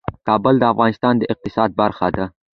کابل د افغانستان د اقتصاد برخه ده.